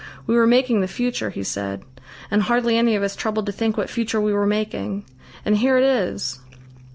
"We were making the future," he said, "and hardly any of us troubled to think what future we were making. And here it is!"